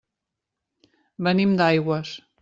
Venim d'Aigües.